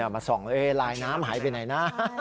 มาส่องลายน้ำหายไปไหนนะ